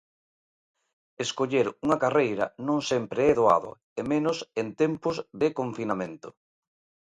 Escoller unha carreira non sempre é doado, e menos en tempos de confinamento.